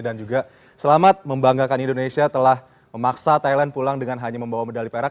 dan juga selamat membanggakan indonesia telah memaksa thailand pulang dengan hanya membawa medali perak